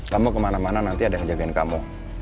kamu kemana mana nanti ada yang ngajakin kamu